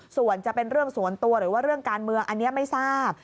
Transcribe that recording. ส่วนจะเป็นเรื่องส่วนตัวหรือว่าเรื่องการเมืองอันนี้ไม่ทราบ